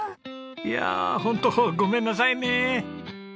いやあホントごめんなさいね。